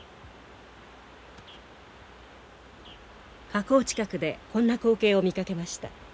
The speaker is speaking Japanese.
河口近くでこんな光景を見かけました。